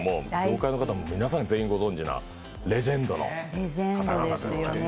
業界の方、皆さん全員ご存じのレジェンドですね。